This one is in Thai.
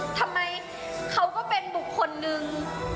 ทำไมเขาก็เป็นบุคคลนึง